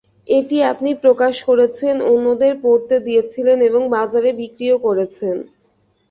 এটি আপনি প্রকাশ করেছেন, অন্যদের পড়তে দিয়েছিলেন এবং বাজারে বিক্রিও করেছেন।